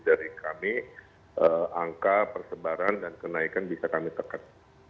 dari kami angka persebaran dan kenaikan bisa kami tekan